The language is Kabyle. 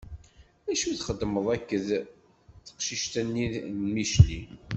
Acu i txeddmeḍ akked teqcict-nni n Micli?